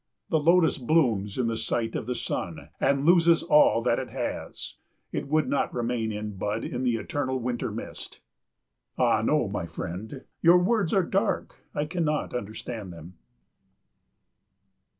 "The lotus blooms in the sight of the sun, and loses all that it has. It would not remain in bud in the eternal winter mist." "Ah no, my friend, your words are dark, I cannot understand them."